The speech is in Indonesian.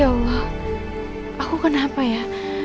ya allah aku kenapa ya